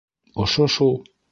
- Ошо шул.